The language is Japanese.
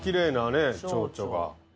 チョウチョが。